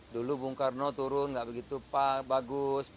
dulu bung karno turun nggak begitu bagus